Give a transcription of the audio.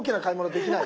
できない？